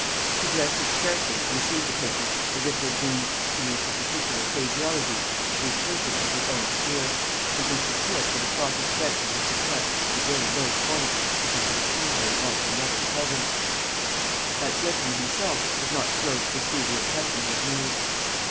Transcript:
She dressed as carefully to receive the painter as if he had been, to use her particular phraseology, "a person in her own sphere;" and Mr. Tillott would have thought his chances of success at a very low point, if he could have seen her in Austin Lovel's presence. That gentleman himself was not slow to perceive the impression he had made.